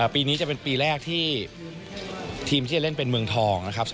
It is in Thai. ปีนี้จะเป็นปีแรกที่ทีมที่จะเล่นเป็นเมืองทองนะครับ